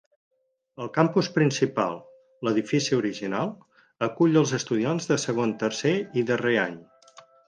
El campus principal, l'edifici original, acull als estudiants de segon, tercer i darrer any.